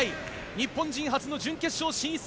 日本人初の準決勝進出